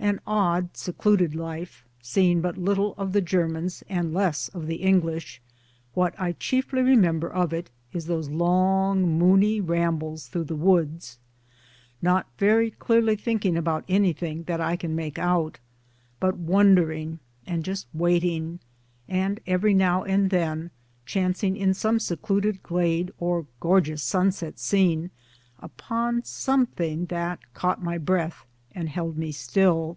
An odd secluded life, seeing but little of the Germans and less of the English, what I chiefly remember of it is those long moony rambles through the woods not very clearly thinking about anything that I can make out, but wondering, and just waiting and every now and then chancing in some secluded glade or gorgeous sunset scene upon something that caught my breath and held me still.